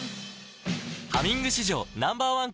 「ハミング」史上Ｎｏ．１抗菌